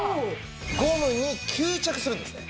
ゴムに吸着するんですね！